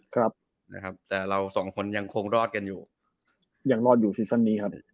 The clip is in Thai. ครับนะครับแต่เราสองคนยังคงรอดกันอยู่ยังรอดอยู่ซีซั่นนี้ครับ